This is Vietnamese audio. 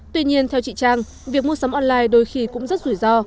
tuy nhiên theo chị trang việc mua sắm online đôi khi cũng rất rủi ro